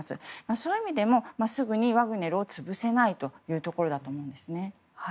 そういう意味でもすぐにワグネルを潰せないというところだと思います。